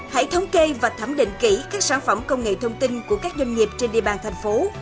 hãy thống kê và thẩm định kỹ các sản phẩm công nghệ thông tin của các doanh nghiệp trên địa bàn thành phố